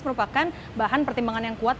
merupakan bahan pertimbangan yang kuat